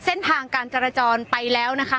เส้นทางการจราจรไปแล้วนะคะ